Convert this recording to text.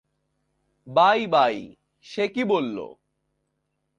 Bye-bye - সে কি বললো?